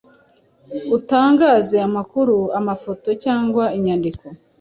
utangaze amakuru, amafoto cyangwa inyandiko.